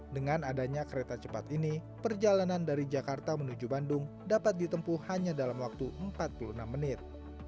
dengan adanya kereta cepat ini perjalanan dari jakarta menuju bandung dapat ditempuh hanya dalam waktu empat puluh enam menit